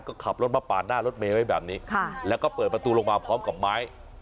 ก็ขับรถมาปาดหน้ารถเมย์ไว้แบบนี้แล้วก็เปิดประตูลงมาพร้อมกับไม้